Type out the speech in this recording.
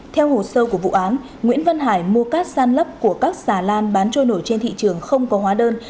theo hồ sơ của vụ án nguyễn văn hải mua cát san lấp của các xà lan bán trôi nổi trên thị trường không có hóa đơn